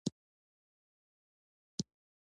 او نۀ ئې د فالوورز د پاره او نۀ د چا مريد يم